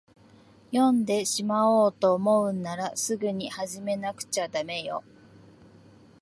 読んでしまおうと思うんなら、すぐに始めなくちゃだめよ。